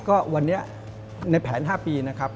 ก็วันนี้ในแผน๕ปีนะครับ